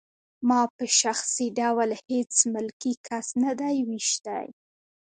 ما په شخصي ډول هېڅ ملکي کس نه دی ویشتی